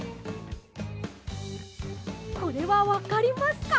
これはわかりますか？